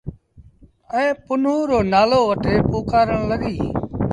ائيٚݩ پنهون رو نآلو وٺي پُڪآرڻ لڳيٚ۔